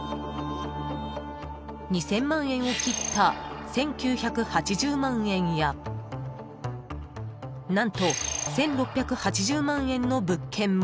［２，０００万円を切った１，９８０万円や何と１，６８０万円の物件も］